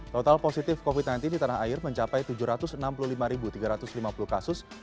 total positif covid sembilan belas di tanah air mencapai tujuh ratus enam puluh lima tiga ratus lima puluh kasus